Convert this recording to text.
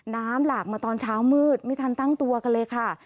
หลากมาตอนเช้ามืดไม่ทันตั้งตัวกันเลยค่ะ